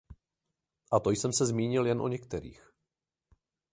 A to jsem se zmínil jen o některých.